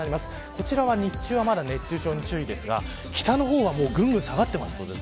こちらは日中は熱中症に注意ですが、北の方はぐんぐん下がっています。